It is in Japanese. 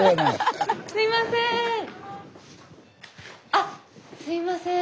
あっすいません。